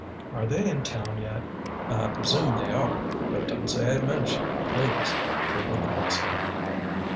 "Are they in town yet?" "I presume they are. But don't say I mentioned it, please," pleaded the bookseller.